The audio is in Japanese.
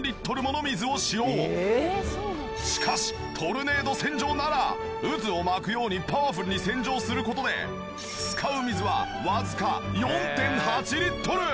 しかしトルネード洗浄なら渦を巻くようにパワフルに洗浄する事で使う水はわずか４．８リットル！